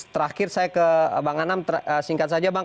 terakhir saya ke bang anam singkat saja bang